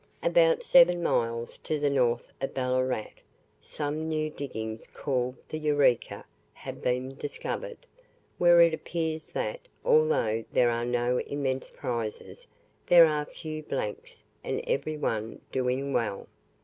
About seven miles to the north of Ballarat, some new diggings called the Eureka have been discovered, where it appears that, although there are no immense prizes, there are few blanks, and every one doing well!